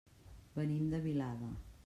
Venim de Vilada.